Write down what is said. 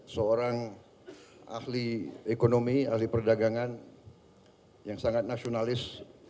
seorang ahli ekonomi ahli perdagangan yang sangat nasionalis